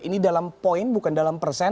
ini dalam poin bukan dalam persen